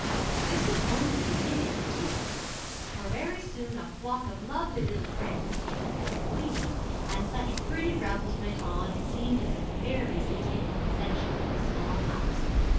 This was only the beginning of tea parties; for very soon a flock of lovely little friends came to play with Queenie, and such pretty revels went on it seemed as if fairies had taken possession of the small house.